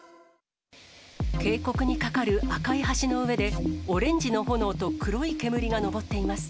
渓谷に架かる赤い橋の上で、オレンジの炎と黒い煙が上っています。